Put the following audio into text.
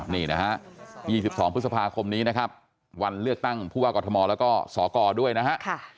นี่นะฮะ๒๒พฤษภาคมนี้นะครับวันเลือกตั้งผู้ว่ากรทมแล้วก็สกด้วยนะฮะ